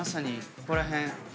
ここら辺。